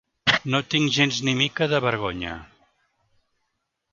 No tinc gens ni mica de vergonya.